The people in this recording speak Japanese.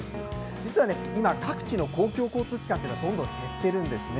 実はね、今、各地の公共交通機関というのは、どんどん減ってるんですね。